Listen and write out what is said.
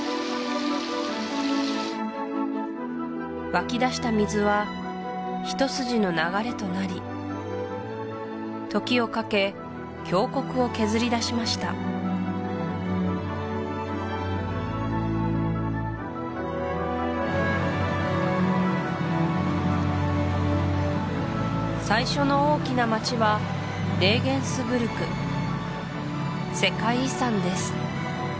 湧き出した水は一筋の流れとなり時をかけ峡谷を削り出しました最初の大きな街はレーゲンスブルク世界遺産です